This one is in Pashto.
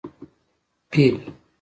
🐘 فېل